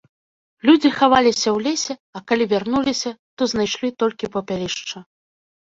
Людзі хаваліся ў лесе, а калі вярнуліся, то знайшлі толькі папялішча.